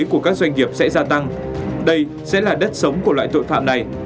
của các doanh nghiệp sẽ gia tăng đây sẽ là đất sống của loại tội phạm này